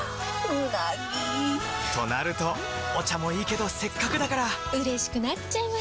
うなぎ！となるとお茶もいいけどせっかくだからうれしくなっちゃいますか！